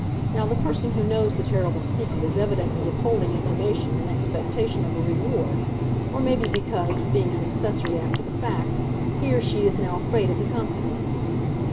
Now the person who knows the terrible secret is evidently withholding information in expectation of a reward, or maybe because, being an accessory after the fact, he or she is now afraid of the consequences.